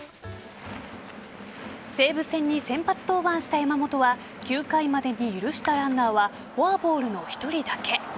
西武戦に先発登板した山本は９回までに許したランナーはフォアボールの１人だけ。